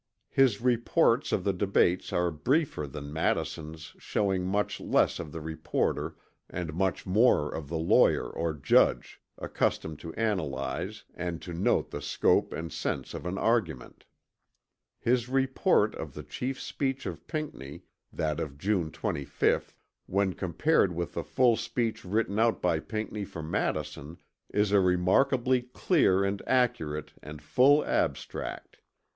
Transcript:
His reports of the debates are briefer than Madison's showing much less of the reporter and much more of the lawyer or judge accustomed to analyze and to note the scope and sense of an argument. His report of the chief speech of Pinckney, that of June 25th, when compared with the full speech written out by Pinckney for Madison is a remarkably clear and accurate and full abstract.